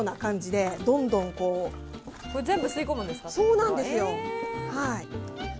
そうなんですよ。